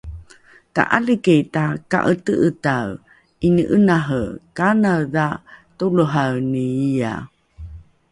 Ta 'aliki taka'ete'etae 'ini'enahe kanaedha tolohaeni iya?